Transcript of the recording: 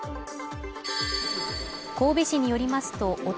神戸市によりますと